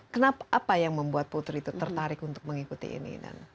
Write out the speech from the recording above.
kenapa apa yang membuat putri itu tertarik untuk mengikuti ini